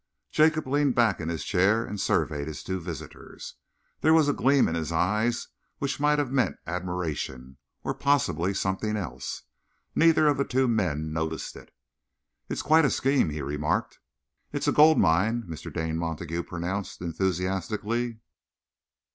Jacob leaned back in his chair and surveyed his two visitors. There was a gleam in his eyes which might have meant admiration or possibly something else. Neither of the two men noticed it. "It's quite a scheme," he remarked. "It's a gold mine," Mr. Dane Montague pronounced enthusiastically.